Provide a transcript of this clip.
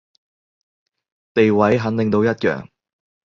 地位肯定都一樣